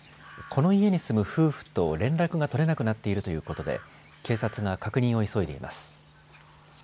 この家に住む夫婦と連絡が取れなくなっているということで警察が確認を急いでいます。